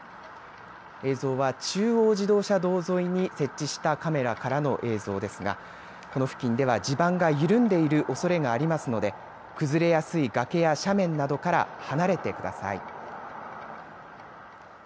映像は中央自動車道沿いに設置したカメラからの映像ですがこの付近では地盤が緩んでいるおそれがありますので崩れやすい崖や斜面などから離れてください。